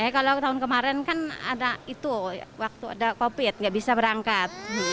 kalau tahun kemarin kan ada itu waktu ada covid nggak bisa berangkat